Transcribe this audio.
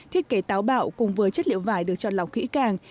thiết kế táo bạo cùng với chất liệu vải được tròn lọc khí càng